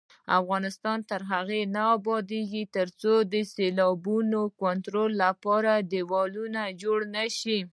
افغانستان تر هغو نه ابادیږي، ترڅو د سیلابونو د کنټرول لپاره دېوالونه جوړ نشي.